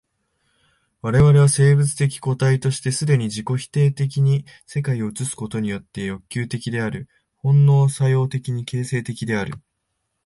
我々は生物的個体として既に自己否定的に世界を映すことによって欲求的である、本能作用的に形成的である。